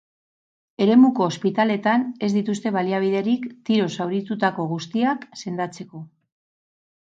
Eremuko ospitaletan ez dituzte baliabiderik tiroz zauritutako guztiak sendatzeko.